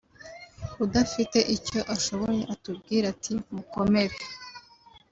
udafite icyo ashoboye atubwire ati mukomere